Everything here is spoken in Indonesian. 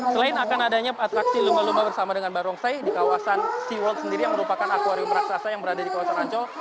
selain akan adanya atraksi lumba lumba bersama dengan barongsai di kawasan sea world sendiri yang merupakan akwarium raksasa yang berada di kawasan ancol